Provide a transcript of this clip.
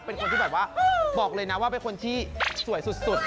เป็นคนที่แบบว่าบอกเลยนะว่าเป็นคนที่สวยสุด